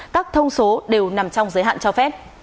các thông số đều nằm trong giới hạn cho phép